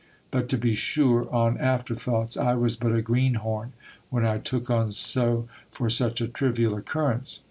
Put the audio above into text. But to be sure, on after thoughts, I was but a greenhorn, when I took on so for such a trivial occur rence